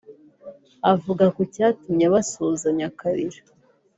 Avuga ku cyatumye basuhuzanya akarira